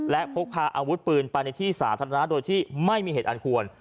และพกพาอาวุธปืนไปในที่สาธารณะโดยที่ไม่มีเหตุอันควร